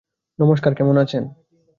নমস্কার, কেমন আছেন?